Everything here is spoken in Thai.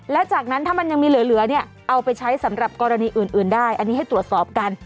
และจากนั้นถ้ามันยังมีเหลือเนี่ยเอาไปใช้สำหรับกรณีอื่นได้อันนี้ให้ตรวจสอบกัน